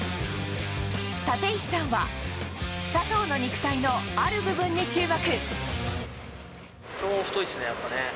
立石さんは佐藤の肉体のある部分に注目。